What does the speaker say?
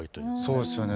そうですよね。